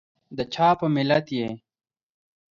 دچا په ملت یي؟